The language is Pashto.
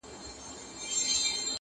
قلم هلته پاچا دی او کتاب پکښي وزیر دی.